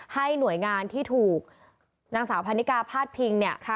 ให้หน่วยงานที่ถูกนางสาวพันนิกาพาดพิงเนี่ย